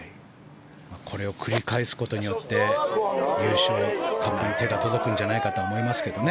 これを繰り返すことによって優勝カップに手が届くんじゃないかと思いますけどね。